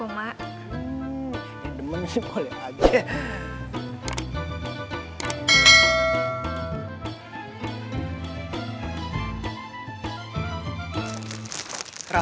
hmm ya demen sih boleh aja